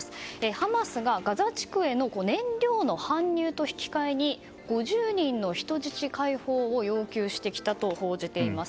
ハマスがガザ地区への燃料の搬入と引き換えに５０人の人質解放を要求してきたと報じています。